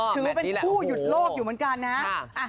ถือเป็นคู่หยุดโลกอยู่เหมือนกันนะ